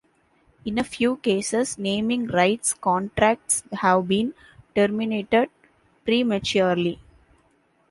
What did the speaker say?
In a few cases, naming rights contracts have been terminated prematurely.